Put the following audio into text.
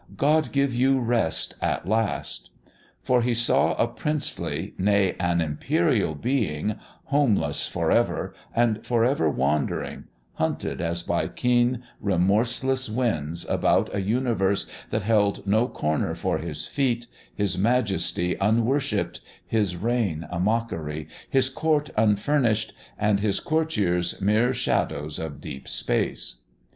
"God give you rest at last!" For he saw a princely, nay, an imperial Being, homeless for ever, and for ever wandering, hunted as by keen remorseless winds about a universe that held no corner for his feet, his majesty unworshipped, his reign a mockery, his Court unfurnished, and his courtiers mere shadows of deep space....